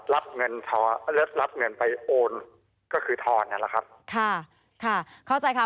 รับเงินทอนรับเงินไปโอนก็คือทอนนั่นแหละครับค่ะเข้าใจค่ะ